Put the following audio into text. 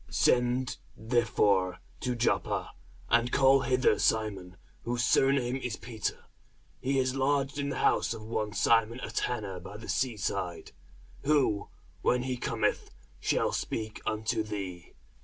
Send therefore to Joppa, and call hither Simon, whose surname is Peter; he is lodged in the house of one Simon a tanner by the sea side: who, when he cometh, shall speak unto thee.